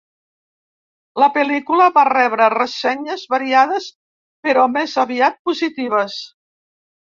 La pel·lícula va rebre ressenyes variades però més aviat positives.